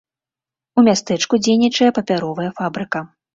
У мястэчку дзейнічае папяровая фабрыка.